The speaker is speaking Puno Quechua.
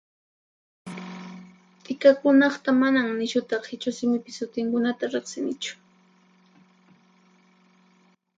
T'ikakunaqta manan nishuta qhichwa simipi sutinkunata riqsinichu.